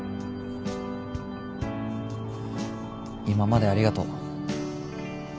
今までありがとう。